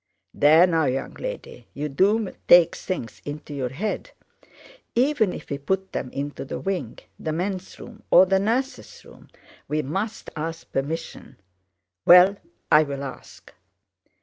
"There now, young lady, you do take things into your head! Even if we put them into the wing, the men's room, or the nurse's room, we must ask permission." "Well, I'll ask."